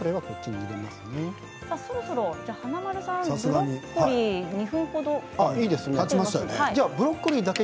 そろそろ華丸さんブロッコリー、２分程。